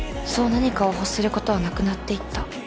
そう何かを欲することはなくなっていった。